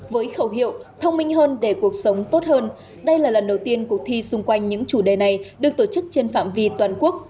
với khẩu hiệu thông minh hơn để cuộc sống tốt hơn đây là lần đầu tiên cuộc thi xung quanh những chủ đề này được tổ chức trên phạm vi toàn quốc